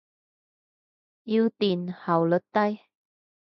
要電，效率低。